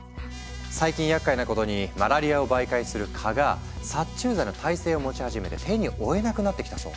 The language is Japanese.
最近やっかいなことにマラリアを媒介する蚊が殺虫剤の耐性を持ち始めて手に負えなくなってきたそう。